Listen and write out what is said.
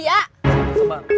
saya mau sembar